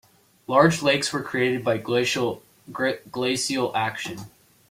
Large lakes were created by glacial action.